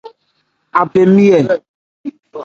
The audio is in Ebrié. Abɛn nmi ɛ ?